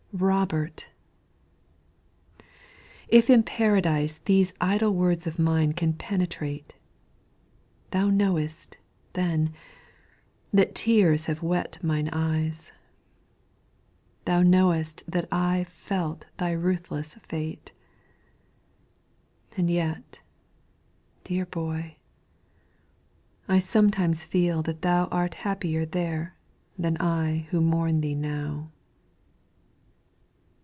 Robert! If in Paradise These idle words of mine can penetrate, Thou knowest, then, that tears have wet mine eyes, Thou knowest that I felt thy ruthless fate; And yet, dear boy, I sometimes feel that thou Art happier there than I who mourn thee now.